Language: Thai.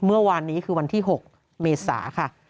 เมื่อวานนี้คือวันที่๖เมษาค่ะ